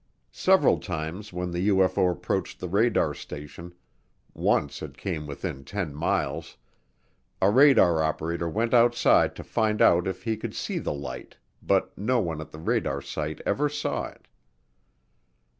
Several times when the UFO approached the radar station once it came within 10 miles a radar operator went outside to find out if he could see the light but no one at the radar site ever saw it.